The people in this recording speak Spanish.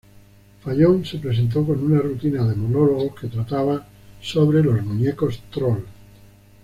Fallon se presentó con una rutina de monólogos que trataba sobre los muñecos troll.